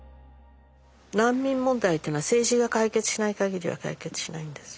難民問題っていうのは政治が解決しない限りは解決しないんですよ。